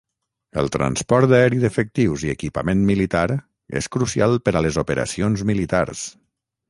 El transport aeri d'efectius i equipament militar és crucial per a les operacions militars.